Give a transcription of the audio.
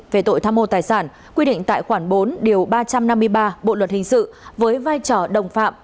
về tội tham mô tài sản quy định tại khoản bốn điều ba trăm năm mươi ba bộ luật hình sự với vai trò đồng phạm